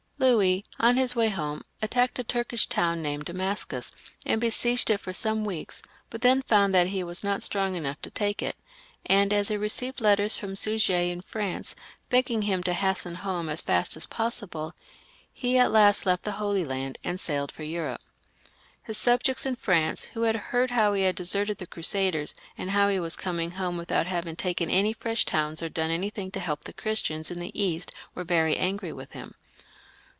Louis, on his way home, attacked a Turkish town named Damascus, and besieged it for some weeks, but then found that he was not strong enough to take it, and as he received letters from Suger in France, begging him to hasten home as fast as possible, he at last left the Holy Land and sailed for Europe. His subjects in France, who had heard how he had deserted the Crusaders, and how he was coming home without having taken any fresh towns or done anything to help the Christians in the East, were very angry with him.